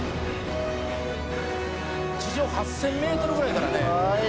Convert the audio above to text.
「地上８０００メートルぐらいからね」